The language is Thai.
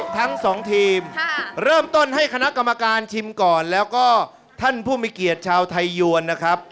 ทั้งสองทีมเริ่มต้นให้คณะกรรมการชิมก่อนแล้วก็ท่านผู้มีเกียรติชาวไทยยวนนะครับ